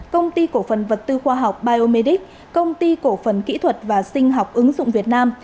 công ty cổ phần vật tư khoa học biomedic công ty cổ phần kỹ thuật và sinh học ứng dụng việt nam